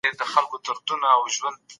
د ژباړې په وخت کې د کلمو مانا لټول کېږي.